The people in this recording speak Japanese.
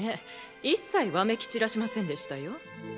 一切わめき散らしませんでしたよ。